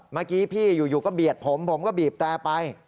เมื่อกี้พี่อยู่ก็เบียดผมผมก็บีบแตรไป